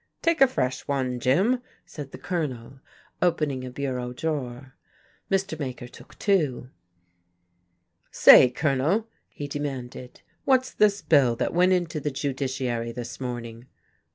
"Take a fresh one, Jim," said the Colonel, opening a bureau drawer. Mr. Maker took two. "Say, Colonel," he demanded, "what's this bill that went into the judiciary this morning?"